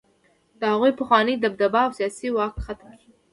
د هغوی پخوانۍ دبدبه او سیاسي واک ختم شو.